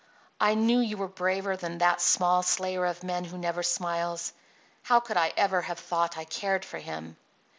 "I knew you were braver than that small slayer of men who never smiles. How could I ever have thought I cared for him?"